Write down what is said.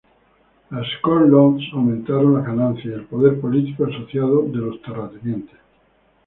Las Corn Laws aumentaron las ganancias y el poder político asociado de los terratenientes.